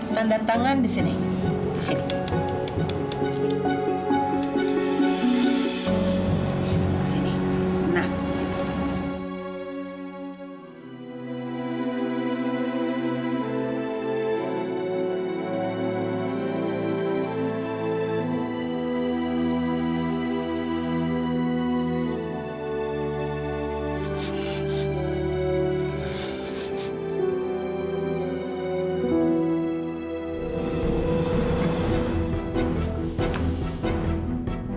tanda tangan di sini